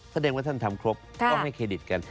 แสดงว่าท่านทำครบต้องให้เครดิตกัน